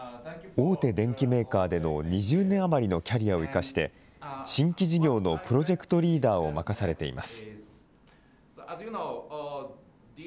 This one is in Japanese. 大手電機メーカーでの２０年余りのキャリアを生かして、新規事業のプロジェクトリーダーを任されています。